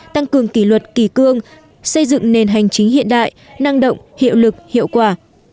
tăng cường kỷ luật kỳ cương xây dựng nền hành chính hiện đại năng động hiệu lực hiệu quả